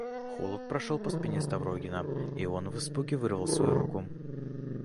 Холод прошел по спине Ставрогина, и он в испуге вырвал свою руку.